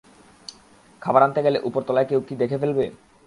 খাবার আনতে গেলে উপরতলার কেউ কি দেখে ফেলবে?